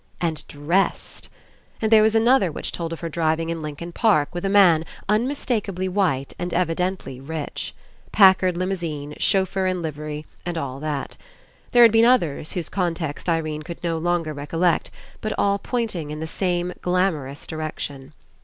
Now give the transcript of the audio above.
And dressed! And there was another which told of her driving in Lincoln Park with a man, un mistakably white, and evidently rich. Packard limousine, chauffeur in livery, and all that. There had been others whose context Irene could no longer recollect, but all pointing in the same glamorous direction.